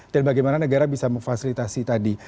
dan bagaimana negara bisa memfasilitasi tadi